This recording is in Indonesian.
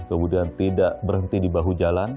kemudian tidak berhenti di bahu jalan